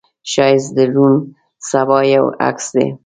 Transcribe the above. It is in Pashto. ښایست د روڼ سبا یو عکس دی